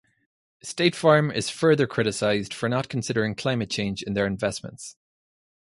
State Farm is further criticized for not considering climate change in their investments.